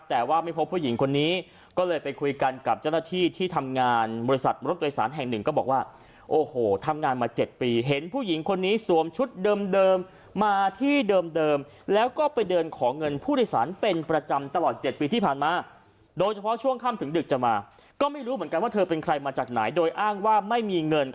แต่ว่าไม่พบผู้หญิงคนนี้ก็เลยไปคุยกันกับเจ้าหน้าที่ที่ทำงานบริษัทรถโดยสารแห่งหนึ่งก็บอกว่าโอ้โหทำงานมา๗ปีเห็นผู้หญิงคนนี้สวมชุดเดิมมาที่เดิมแล้วก็ไปเดินขอเงินผู้โดยสารเป็นประจำตลอด๗ปีที่ผ่านมาโดยเฉพาะช่วงค่ำถึงดึกจะมาก็ไม่รู้เหมือนกันว่าเธอเป็นใครมาจากไหนโดยอ้างว่าไม่มีเงิน